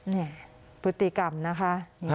นี่พฤติกรรมนะคะ